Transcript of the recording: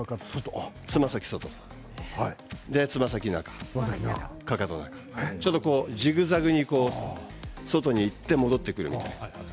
つま先は外、つま先中、かかと中ジグザグに外にいって戻ってくるみたいな。